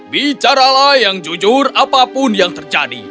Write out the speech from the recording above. bicaralah yang jujur apapun yang terjadi